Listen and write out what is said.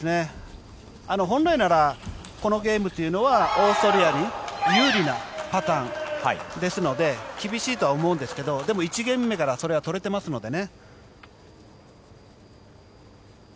本来なら、このゲームというのはオーストリアに有利なパターンですので厳しいとは思うんですけどでも、１ゲーム目からそれは取れていますのでね。